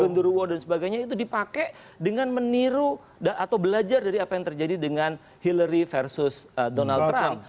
gondoruwo dan sebagainya itu dipakai dengan meniru atau belajar dari apa yang terjadi dengan hillary versus donald trump